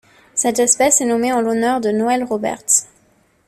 Cette espèce est nommée en l'honneur de Noel Roberts.